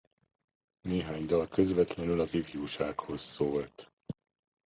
Néhány dal közvetlenül az ifjúsághoz szólt.